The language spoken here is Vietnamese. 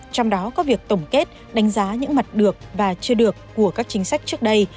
trong đó có việc tổng kết đánh giá những mặt được và chưa được của các chính sách trước đây